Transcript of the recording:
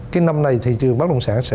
cái năm này thị trường bất động sản sẽ